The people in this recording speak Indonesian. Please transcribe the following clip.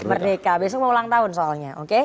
merdeka besok mau ulang tahun soalnya oke